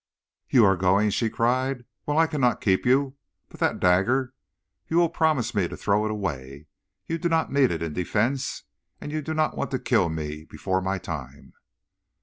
"'You are going?' she cried. 'Well, I cannot keep you. But that dagger! You will promise me to throw it away? You do not need it in defense, and you do not want to kill me before my time.'